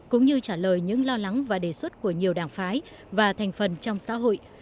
cũng như trả lời những lo lắng và đề xuất của nhiều đảng phái và thành phần trong xã hội